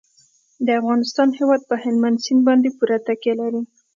د افغانستان هیواد په هلمند سیند باندې پوره تکیه لري.